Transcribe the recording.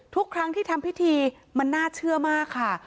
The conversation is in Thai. ทุกครั้งที่ทำพิธีมันน่าเชื่อมากค่ะ